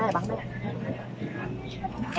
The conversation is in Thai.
สวัสดีครับ